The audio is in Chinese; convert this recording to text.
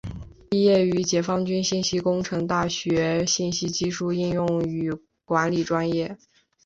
毕业于解放军信息工程大学信息技术应用与管理专业。